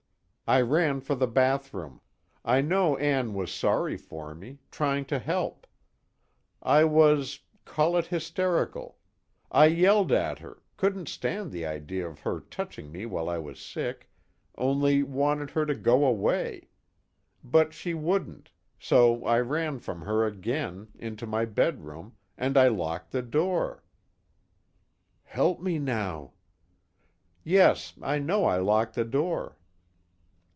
I ran for the bathroom. I know Ann was sorry for me, trying to help. I was call it hysterical. I yelled at her, couldn't stand the idea of her touching me while I was sick, only wanted her to go away. But she wouldn't, so I ran from her again, into my bedroom, and I locked the door." (Help me now!) "Yes, I know I locked the door."